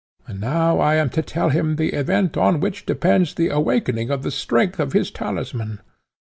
and now I am to tell him the event on which depends the awaking the strength of his talisman!